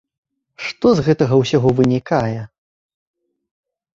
Што з гэтага ўсяго вынікае?